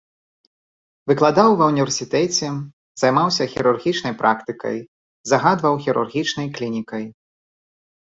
Выкладаў ва ўніверсітэце, займаўся хірургічнай практыкай, загадваў хірургічнай клінікай.